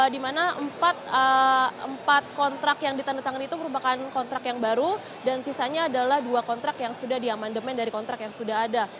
di mana empat kontrak yang ditandatangan itu merupakan kontrak yang baru dan sisanya adalah dua kontrak yang sudah diamandemen dari kontrak yang sudah ada